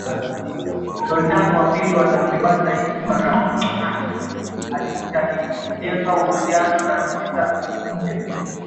Sultani wa pili wa Zanzibar Sayyid Baraghash alijitahidi kujenga uhusiano na nchi za nje